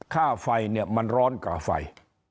ค่าไฟเนี่ยมันร้อนกว่าไฟ